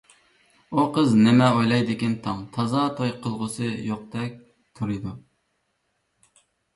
ئۇ قىز نېمە ئويلايدىكىن تاڭ، تازا توي قىلغۇسى يوقتەك تۇرىدۇ.